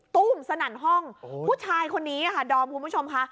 ตู้มสนั่นห้องผู้ชายคนนี้ค่ะดอมคุณผู้ชมค่ะ